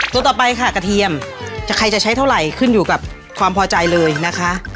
ตัวต่อไปค่ะกระเทียมใครจะใช้เท่าไหร่ขึ้นอยู่กับความพอใจเลยนะคะ